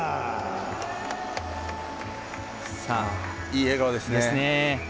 いい笑顔ですね。